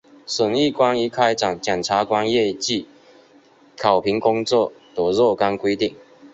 审议关于开展检察官业绩考评工作的若干规定